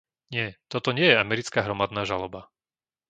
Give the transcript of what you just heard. Nie, toto nie je americká hromadná žaloba.